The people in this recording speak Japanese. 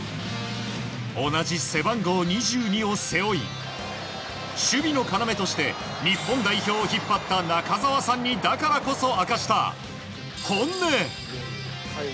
同じ背番号２２を背負い守備の要として日本代表を引っ張った中澤さんにだからこそ明かした本音。